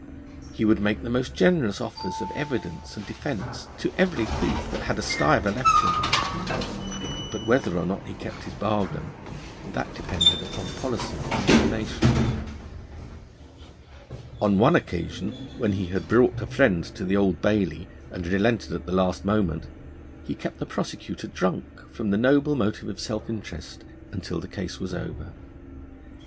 He would make the most generous offers of evidence and defence to every thief that had a stiver left him. But whether or not he kept his bargain that depended upon policy and inclination. On one occasion, when he had brought a friend to the Old Bailey, and relented at the last moment, he kept the prosecutor drunk from the noble motive of self interest, until the case was over.